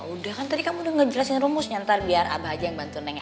udah kan tadi kamu udah ngejelasin rumusnya ntar biar abah aja yang bantu neng ya